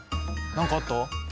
何かあった？